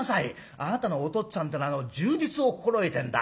あなたのおとっつぁんってのは柔術を心得てんだ。